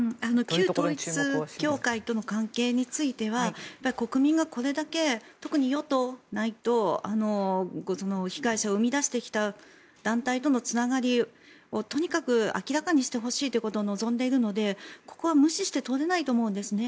旧統一教会との関係については国民がこれだけ特に与党内と被害者を生み出してきた団体とのつながりをとにかく明らかにしてほしいということを望んでいるのでここは無視して通れないと思うんですね。